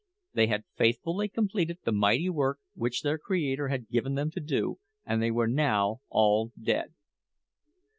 They had faithfully completed the mighty work which their Creator had given them to do, and they were now all dead.